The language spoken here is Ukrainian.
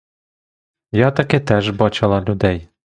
Я таки теж бачила людей.